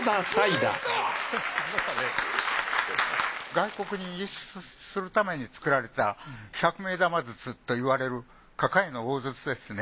外国に輸出するために作られた百目玉筒といわれる抱えの大筒ですね。